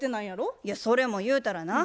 いやそれも言うたらな